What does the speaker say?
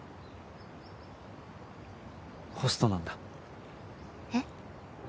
ホストなんだ。えっ？